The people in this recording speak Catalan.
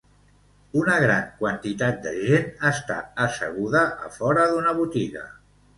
Una gran quantitat de gent està asseguda a fora d'una botiga.